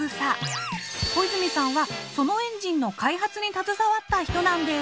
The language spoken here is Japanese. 小泉さんはそのエンジンの開発に携わった人なんです。